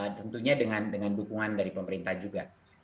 tentunya dengan dukungan dari pemerintah juga